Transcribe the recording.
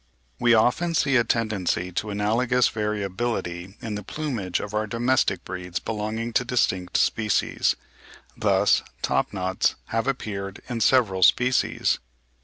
We often see a tendency to analogous variability in the plumage of our domestic breeds belonging to distinct species. Thus top knots have appeared in several species.